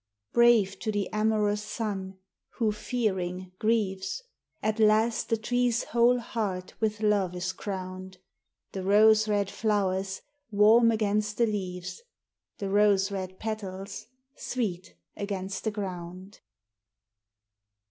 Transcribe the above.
Brave to the amorous sun, who, fearing, grieves, At last the tree's whole heart with love is crowned The rose red flowers warm against the leaves, The rose red petals sweet against the ground.